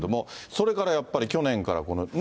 それからやっぱり、去年からこのね。